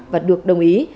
và được đồng ý